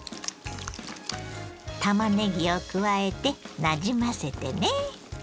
たまねぎを加えてなじませてね。